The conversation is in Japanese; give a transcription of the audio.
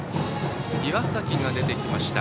岩崎が出てきました。